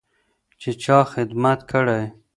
چې چا خدمت کړی.